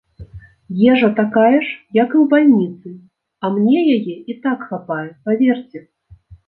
Ежа такая ж, як і ў бальніцы, а мне яе і так хапае, паверце.